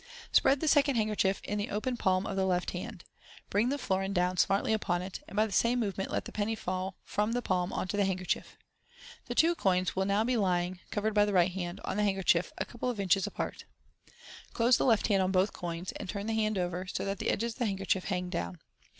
Spread the second handkerchief on the open palm of the left hand. Bring the florin down smartly upon it, and by the same movement let the penny fall from the palm on to the hand kerchief. The two coins will now be lying (covered by the right hand) on the handkerchief, a couple of inches apart. Close the left hand on both coins, and turn the hand over, so that the edges of the handkerchief hang down.